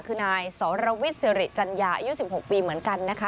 คือนายสรวิทย์สิริจัญญาอายุ๑๖ปีเหมือนกันนะคะ